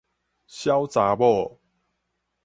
痟查某